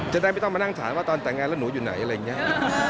จะได้ไม่ต้องมานั่งถามว่าตอนแต่งงานแล้วหนูอยู่ไหนอะไรอย่างนี้